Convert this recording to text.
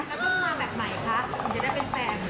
แล้วก็มาแบบไหนคะถึงจะได้เป็นแฟน